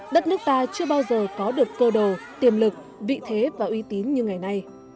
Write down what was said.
đất nước ta chưa bao giờ có được cơ đồ tiềm lực vị thế và uy tín như ngày nay